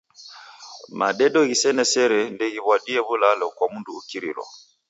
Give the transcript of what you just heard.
Madedo ghisene sere ndeghiw'adie w'ulalo kwa mndu ukirilo.